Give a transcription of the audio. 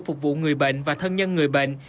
phục vụ người bệnh và thân nhân người bệnh